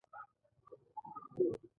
لاک د مذهبي زغم پلوی و.